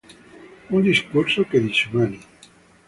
Un discorso che disumani".